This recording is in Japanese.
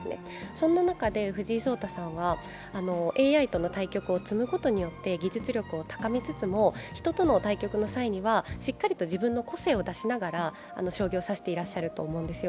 そんな中で藤井聡太さんはＡＩとの対局を重ねることによって技術力を高めつつも、人との対局の際にはしっかりと自分の個性を出しながら将棋を指してらっしゃると思うんですよ。